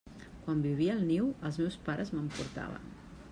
Quan vivia al niu, els meus pares me'n portaven.